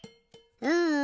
うん。